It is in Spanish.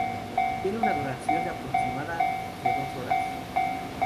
Tiene una duración aproximada de dos horas.